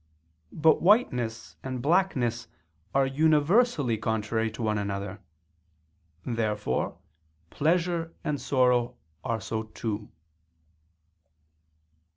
But whiteness and blackness are universally contrary to one another. Therefore pleasure and sorrow are so too.